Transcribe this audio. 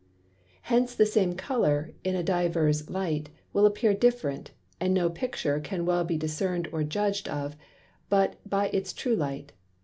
Hence the same Colour, in a diverse Light, will appear different, and no Picture can well be discern'd or judg'd of but by its true Light.